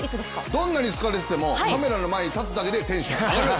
どんなに疲れていてもカメラの前に立つだけでテンション上がります！